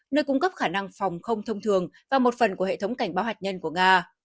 nơi cung cấp khả năng phòng không thông thường và một phần của hệ thống cảnh báo hạt nhân của nga